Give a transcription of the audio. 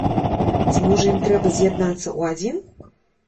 Ці, можа, ім трэба з'яднацца ў адзін?